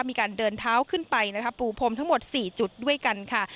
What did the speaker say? มีการเดินเท้าขึ้นไปนะคะปูพรมทั้งหมด๔จุดด้วยกันค่ะ